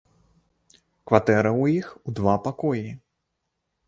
Кватэра ў іх у два пакоі.